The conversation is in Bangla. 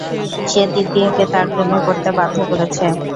সে দিব্যিয়াকে তার প্রেমে পড়তে বাধ্য করেছে।